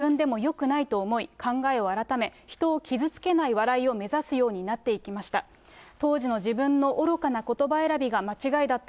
その後、自分でもよくないと思い、考えを改め、人を傷つけない笑いを目指すようになってきました。